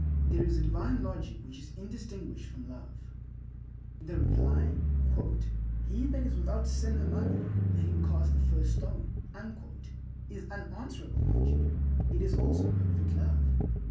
There is a divine logic which is indistinguished from love. The reply, "He that is without sin among you, let him cast the first stone," is unanswerable logic. It is also perfect love.